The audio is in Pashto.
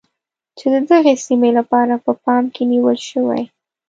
چې د دغې سیمې لپاره په پام کې نیول شوی.